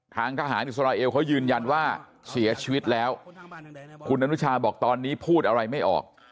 ทางทหารอิสราเอลเขายืนยันว่าเสียชีวิตแล้วคุณอนุชาบอกตอนนี้พูดอะไรไม่ออก